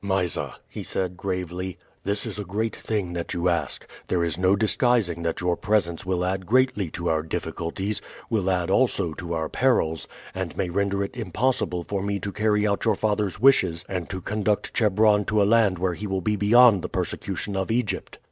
"Mysa," he said gravely, "this is a great thing that you ask; there is no disguising that your presence will add greatly to our difficulties, will add also to our perils, and may render it impossible for me to carry out your father's wishes and to conduct Chebron to a land where he will be beyond the persecution of Egypt.